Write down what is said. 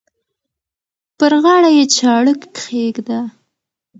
پر غاړه یې چاړه کښېږده.